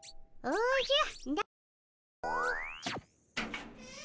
おじゃ？